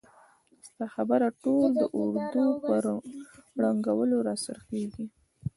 ستا خبره ټول د اردو په ړنګولو را څرخیږي!